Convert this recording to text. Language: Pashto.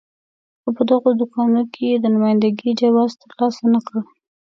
خو په دغو دوکانونو کې یې د نماینده ګۍ جواز ترلاسه نه کړ.